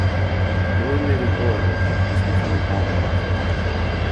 Illuminating oil was becoming all profit.